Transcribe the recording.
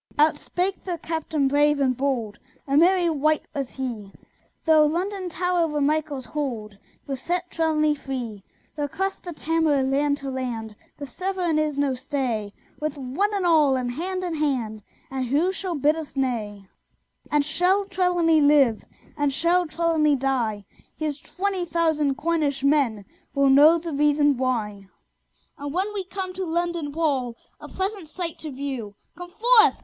Out spake their Captain brave and bold: A merry wight was he: Though London Tower were Michael's hold, We'll set Trelawny free! We'll cross the Tamar, land to land: The Severn is no stay: With "one and all," and hand in hand; And who shall bid us nay? And shall Trelawny live? Or shall Trelawny die? Here's twenty thousand Cornish men Will know the reason why! And when we come to London Wall, A pleasant sight to view, Come forth!